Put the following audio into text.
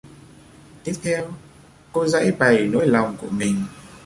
Tiếp theo cô dãy bày nỗi lòng của mình